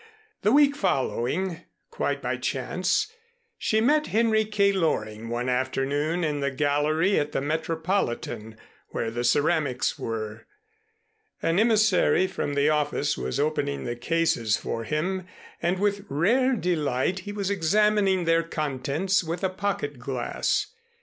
The week following, quite by chance she met Henry K. Loring one afternoon in the gallery at the Metropolitan where the ceramics were. An emissary from the office was opening the cases for him and with rare delight he was examining their contents with a pocket glass.